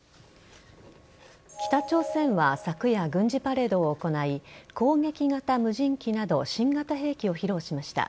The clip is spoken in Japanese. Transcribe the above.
北朝鮮は昨夜軍事パレードを行い攻撃型無人機など新型兵器を披露しました。